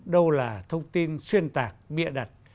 đâu là thông tin xuyên tạc miệng đặt